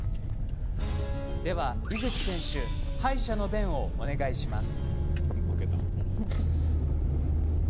では、井口選手敗者の弁をお願いします。